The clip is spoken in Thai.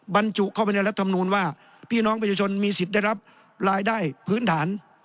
บรรจุเข้าไปในรัฐมนูลว่าพี่น้องประชาชนมีสิทธิ์ได้รับรายได้พื้นฐาน